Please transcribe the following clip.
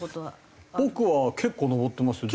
僕は結構登ってますよ。